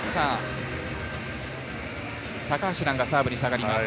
高橋藍がサーブに下がります。